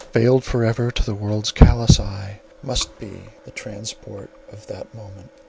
Veiled for ever to the world's callous eye must be the transport of that moment.